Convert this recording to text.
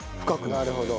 なるほど。